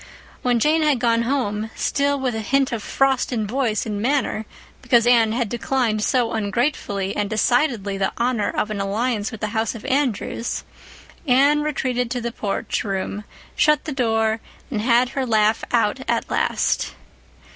When Jane had gone home—still with a hint of frost in voice and manner because Anne had declined so ungratefully and decidedly the honor of an alliance with the House of Andrews—Anne retreated to the porch room, shut the door, and had her laugh out at last.